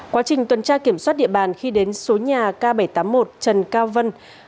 quá trình tuần tra kiểm soát địa bàn khi đến số nhà k bảy trăm tám mươi một trần cao vân